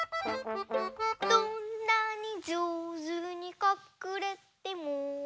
「どんなにじょうずにかくれても」